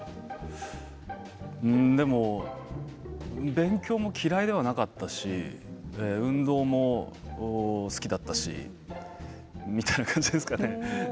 勉強も嫌いではなかったし運動も好きだったしみたいな感じですかね。